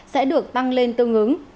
sẽ được tăng lên tương ứng